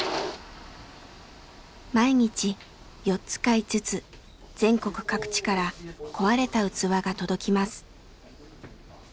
毎日４つか５つ全国各地から壊れた器が届きます。